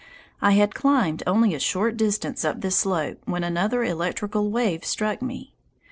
I had climbed only a short distance up this slope when another electrical wave struck me.